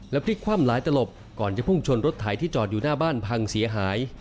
พลิกคว่ำหลายตลบก่อนจะพุ่งชนรถไถที่จอดอยู่หน้าบ้านพังเสียหาย